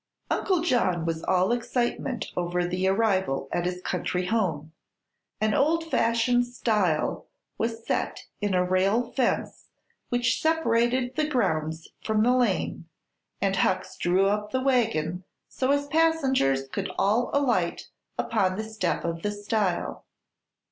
Uncle John was all excitement over the arrival at his country home. An old fashioned stile was set in a rail fence which separated the grounds from the lane, and Hucks drew up the wagon so his passengers could all alight upon the step of the stile.